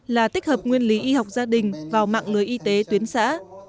là tích hợp nguyên lý y học gia đình vào mạng lưới y tế tuyến xã